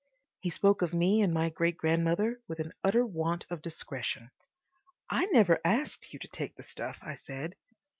He spoke of me and my great grandmother with an utter want of discretion. "I never asked you to take the stuff," I said.